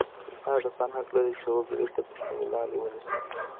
هغه کسان حق لري چې وګړي تر پوښتنې لاندې ونیسي.